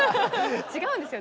違うんですよ！